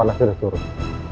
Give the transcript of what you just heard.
udah panasnya udah turun